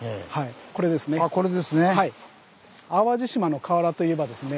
これですね。